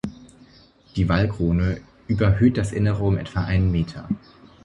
Die Wallkrone überhöht das Innere um etwa einen Meter.